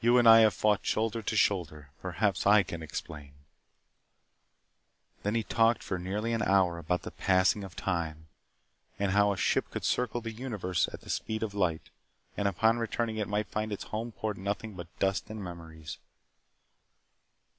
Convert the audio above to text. You and I have fought shoulder to shoulder. Perhaps I can explain " Then he talked for nearly an hour about the passing of time and how a ship could circle the universe at the speed of light and upon returning it might find its home port nothing but dust and memories.